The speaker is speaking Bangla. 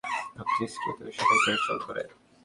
ভাবছি স্কুলে তোকে সবাই কীভাবে সহ্য করে।